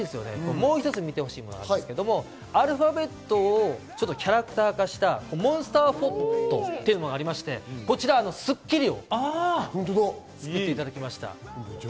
もう一つ見てほしいのがあるんですがアルファベットをキャラクター化したモンスターをフォトというのがありまして、こちら『スッキリ』を作っていただきました。